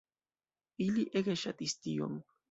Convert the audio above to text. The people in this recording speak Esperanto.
Ili ege ŝatis tion.